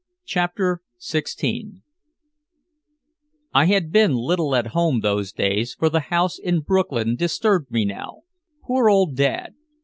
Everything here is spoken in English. CHAPTER XVI I had been little at home those days, for the house in Brooklyn disturbed me now. Poor old Dad.